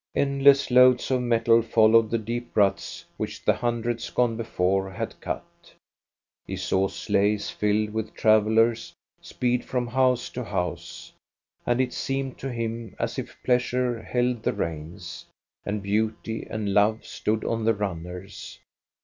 Endless loads of metal followed the deep ruts which the hundreds gone before had cut. Here he saw sleighs filled with travellers speed from house to house, and it seemed to him as if pleasure held the reins, and beauty and love stood on the runners.